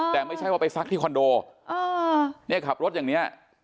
แต่ไม่ใช่ว่าไปซักที่คอนโดเนี่ยขับรถอย่างเนี้ย